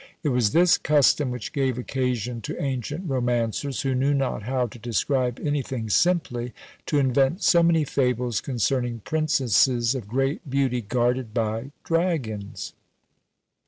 It was this custom which gave occasion to ancient romancers, who knew not how to describe anything simply, to invent so many fables concerning princesses of great beauty guarded by dragons.